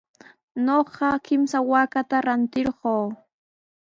Ñuqa kimsa waakata rantirquu.